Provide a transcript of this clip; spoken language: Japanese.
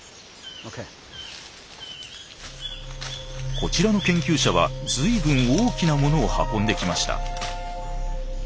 こちらの研究者はずいぶん大きなものを運んできました。